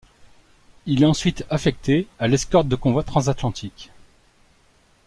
Il est ensuite affecté à l’escorte de convoi transatlantique.